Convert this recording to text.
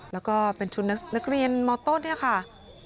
แล้วก็เป็นชุดนักเรียนมต้นเนี่ยค่ะ